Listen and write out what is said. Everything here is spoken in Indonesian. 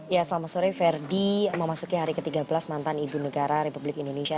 ya selamat sore ferdi memasuki hari ke tiga belas mantan ibu negara republik indonesia